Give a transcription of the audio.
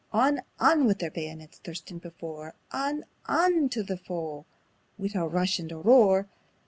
On, on, wi' their bayonets thirstin' before! On, on tae the foe wi' a rush and a roar!